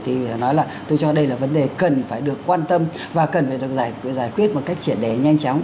thì nói là tôi cho đây là vấn đề cần phải được quan tâm và cần phải được giải quyết một cách triển đẻ nhanh chóng